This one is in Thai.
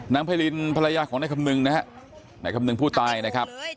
ไพรินภรรยาของนายคำนึงนะฮะนายคำนึงผู้ตายนะครับ